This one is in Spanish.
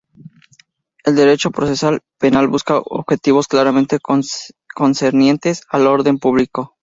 El derecho procesal penal busca objetivos claramente concernientes al orden público.